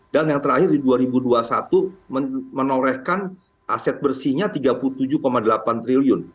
dan yang terakhir di dua ribu dua puluh satu menorehkan aset bersihnya rp tiga puluh tujuh delapan triliun